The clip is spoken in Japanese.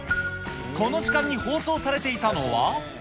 この時間に放送されていたのは。